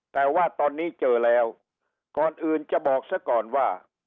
แต่ว่าตอนนี้เจอแล้วก่อนอื่นจะบอกซะก่อนว่า